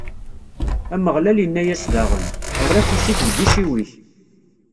Ameɣlal inna-as daɣen: Err afus-ik deg iciwi-k.